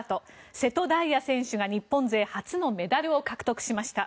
瀬戸大也選手が日本勢初のメダルを獲得しました。